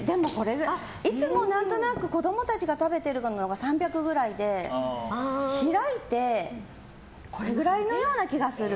いつも何となく子供たちが食べてるのが３００ぐらいで、開いてこれぐらいのような気がする。